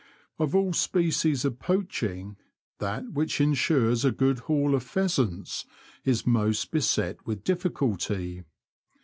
Of all species of poaching, that which en sures a good haul of pheasants is most beset with difficulty.